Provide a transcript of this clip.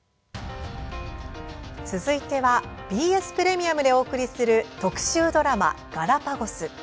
続いてはＢＳプレミアムでお送りする特集ドラマ「ガラパゴス」。